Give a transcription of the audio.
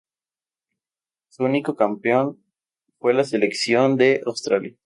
Su único campeón fue la selección de Australia.